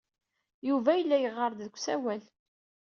Yuba yella yeɣɣar-d deg usawal.